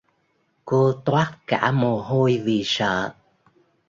Cô toát cả mồ hôi vì sợ